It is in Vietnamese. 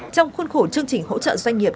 trong khuôn khổ chương trình hỗ trợ doanh nghiệp